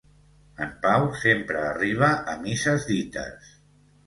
En Pau sempre arriba a misses dites.